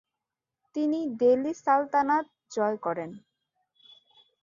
তিনি দেলি সালতানাত জয় করেন।